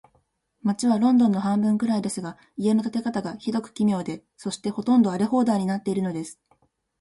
街はロンドンの半分くらいですが、家の建て方が、ひどく奇妙で、そして、ほとんど荒れ放題になっているのです。